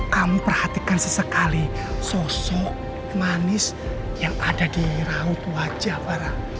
kamu perhatikan sesekali sosok manis yang ada di raut wajah barang